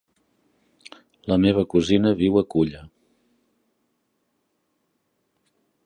La meva cosina viu a Culla.